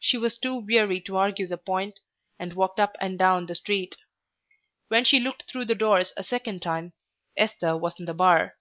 She was too weary to argue the point, and walked up and down the street. When she looked through the doors a second time Esther was in the bar.